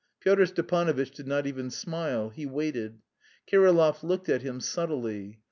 Pyotr Stepanovitch did not even smile; he waited. Kirillov looked at him subtly.